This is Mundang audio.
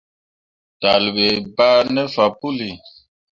Talle ɓe bah ne fah puli.